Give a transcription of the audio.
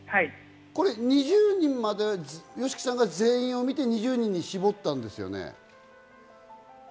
ＹＯＳＨＩＫＩさん、２０人までＹＯＳＨＩＫＩさんが全員を見て２０人に絞ったんですよね？